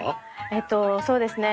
えっとそうですね